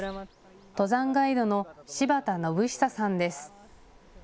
登山ガイドの芝田信久さんです。